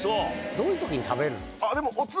どういう時に食べるの？